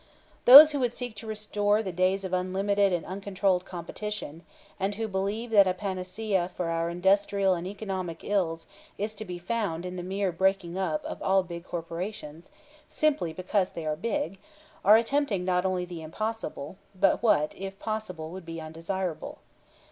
Those who would seek to restore the days of unlimited and uncontrolled competition, and who believe that a panacea for our industrial and economic ills is to be found in the mere breaking up of all big corporations, simply because they are big, are attempting not only the impossible, but what, if possible, would be undesirable.